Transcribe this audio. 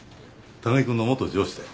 高木君の元上司だよ。